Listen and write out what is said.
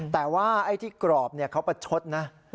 แต่ว่าไอ้ที่กรอบเขาประชดนะ